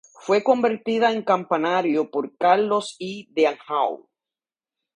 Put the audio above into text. Fue convertida en campanario por Carlos I de Anjou.